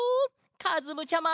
かずむちゃま！